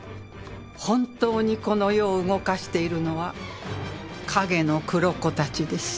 本当にこの世を動かしているのは影の黒子たちです。